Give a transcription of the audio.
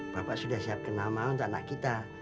bapak sudah siapkan nama untuk anak kita